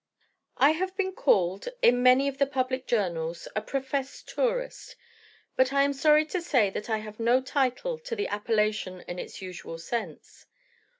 I have been called, in many of the public journals, a "professed tourist;" but I am sorry to say that I have no title to the appellation in its usual sense.